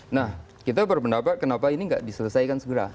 nah kita berpendapat kenapa ini nggak diselesaikan segera